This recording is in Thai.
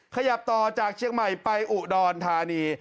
ขยับต่อจากเชียงใหม่ไปอุดรธานี